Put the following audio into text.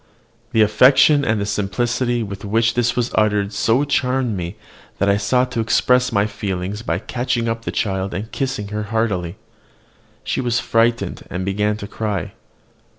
The affection and simplicity with which this was uttered so charmed me, that I sought to express my feelings by catching up the child and kissing her heartily. She was frightened, and began to cry.